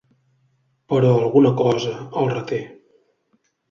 Però alguna cosa el reté.